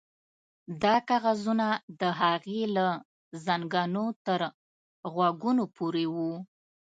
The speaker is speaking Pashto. دا کاغذونه د هغې له زنګنو تر غوږونو پورې وو